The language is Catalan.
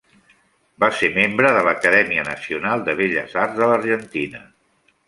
Va ser membre de l'Acadèmia Nacional de Belles arts de l'Argentina.